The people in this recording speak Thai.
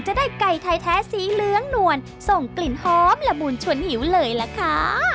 จะได้ไก่ไทยแท้สีเหลืองนวลส่งกลิ่นหอมละมุนชวนหิวเลยล่ะค่ะ